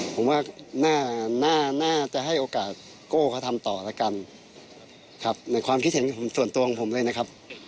ผมว่าน่าจะให้โอกาสโก้เขาทำต่อแล้วกันครับในความคิดเห็นส่วนตัวของผมเลยนะครับ